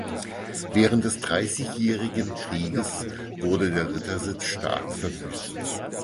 Während des Dreißigjährigen Kriegs wurde der Rittersitz stark verwüstet.